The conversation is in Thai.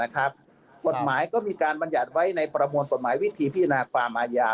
กฎหมายก็มีการบรรยัติไว้ในประมวลกฎหมายวิธีพิจารณาความอาญา